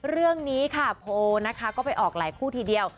เรื่องนี้ค่ะโพลนะคะก็ไปออกหลายคู่ทีเดียว